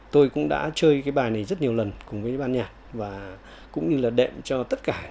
tôi cũng đã chơi cái bài này rất nhiều lần cùng với ban nhạc và cũng như là đệm cho tất cả